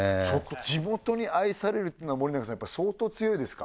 地元に愛されるってのは森永さんやっぱ相当強いですか？